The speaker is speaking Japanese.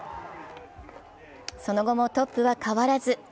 その後もトップは変わらず。